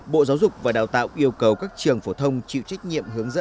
bộ giáo dục và đào tạo yêu cầu các trường phổ thông chịu trách nhiệm hướng dẫn